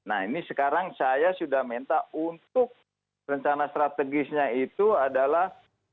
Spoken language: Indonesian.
nah ini sekarang saya sudah minta untuk rencana strategisnya itu adalah